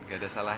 gak ada salah